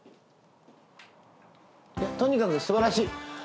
とにかく素晴らしい。